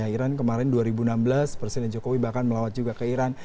iran kemarin dua ribu enam belas presiden jokowi bahkan melawat juga ke iran